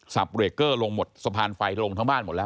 เบรกเกอร์ลงหมดสะพานไฟลงทั้งบ้านหมดแล้ว